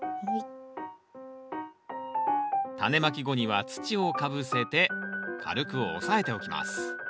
タネまき後には土をかぶせて軽く押さえておきます